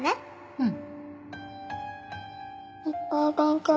うん！